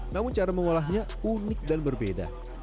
namun cara mengolahnya unik dan berbeda